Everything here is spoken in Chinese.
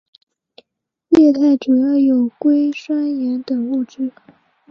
液态主要有硅酸盐等物质。